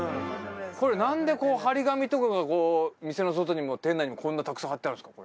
これなんで貼り紙とかがこう店の外にも店内にもこんなたくさん貼ってあるんですか？